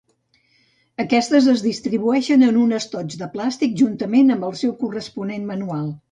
Aquestes es distribueixen en un estoig de plàstic juntament amb el seu corresponent manual.